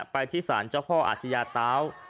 ไปที่ศาลเจ้าพ่ออาชญาตาว